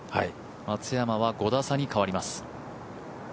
松山は５打差に変わります。